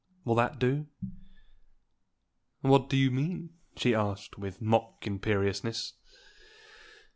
Will that do?" "What do you mean?" she asked, with mock imperiousness.